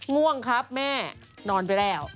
ง่วงครับแม่นอนไปแล้ว